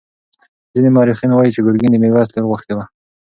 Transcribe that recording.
ځینې مورخین وایي چې ګرګین د میرویس لور غوښتې وه.